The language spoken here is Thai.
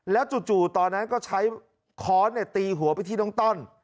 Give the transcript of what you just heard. จู่ตอนนั้นก็ใช้ค้อนตีหัวไปที่น้องต้อน